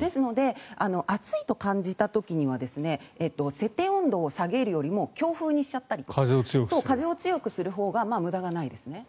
ですので、暑いと感じた時には設定温度を下げるよりも強風にしちゃったりとか風を強くするほうが無駄がないですね。